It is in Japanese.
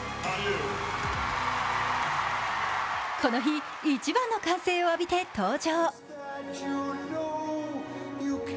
この日一番の歓声を浴びて登場。